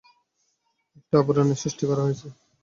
একটা আবরণের সৃষ্টি করা হয়েছে!